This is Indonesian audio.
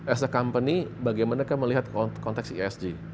as a company bagaimana kita melihat konteks esg